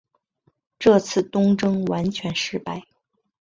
这次东征完全失败。